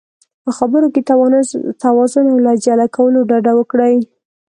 په خبرو کې توازن او له عجله کولو ډډه وکړئ.